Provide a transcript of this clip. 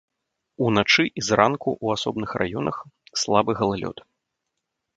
Уначы і зранку ў асобных раёнах слабы галалёд.